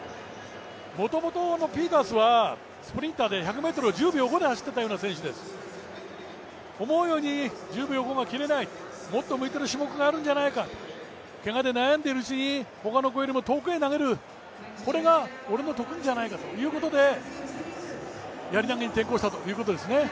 もともとピータースはスプリンターで１００ｍを１０秒５で走っていたような選手です思うように１０秒５が切れない、もっと向いてる種目があるんじゃないか、けがで悩んでいるうちにほかの子よりも遠くへ投げる、これが俺の得意じゃないかということでやり投に転向したということですね。